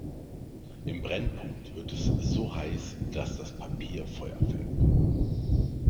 Im Brennpunkt wird es so heiß, dass das Papier Feuer fängt.